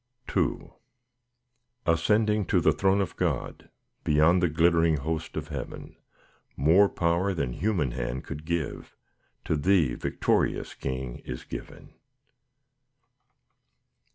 II Ascending to the throne of God, Beyond the glittering host of heaven, More power than human hand could give To Thee, victorious King, is given.